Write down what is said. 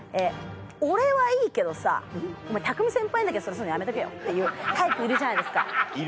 「俺はいいけどさお前タクミ先輩にだけはやめとけよ」っていうタイプいるじゃないですか。